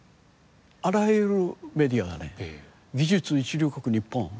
あらゆるメディアがね「技術一流国ニッポン。